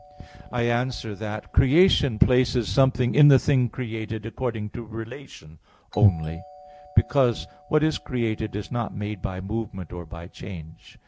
I answer that, Creation places something in the thing created according to relation only; because what is created, is not made by movement, or by change.